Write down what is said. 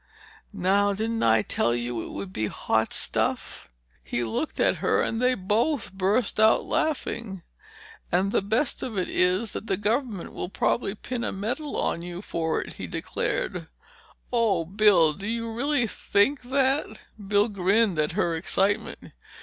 "Now—didn't I tell you it would be hot stuff?" He looked at her and they both burst out laughing. "And the best of it is that the government will probably pin a medal on you for it!" he declared. "Oh, Bill! Do you really think that?" Bill grinned at her excitement.